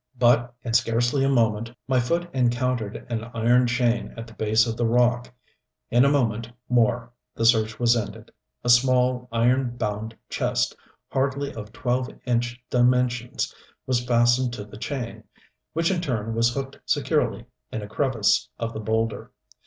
But in scarcely a moment my foot encountered an iron chain at the base of the rock. In a moment more the search was ended. A small, iron bound chest, hardly of twelve inch dimensions, was fastened to the chain, which in turn was hooked securely in a crevice of the boulder.